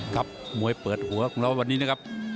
ครับมวยเปิดหัวของเราวันนี้นะครับ